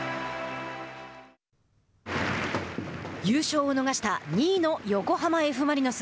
優勝を逃した２位の横浜Ｆ・マリノス。